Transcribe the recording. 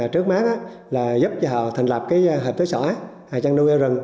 trước mắt là giúp cho họ thành lập cái hệp tới sỏi hai chăn nuôi heo rừng